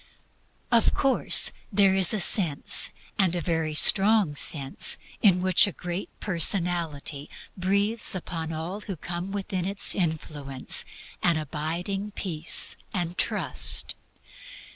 Of course there is a sense, and a very wonderful sense, in which a Great Personality breathes upon all who come within its influence an abiding peace and trust.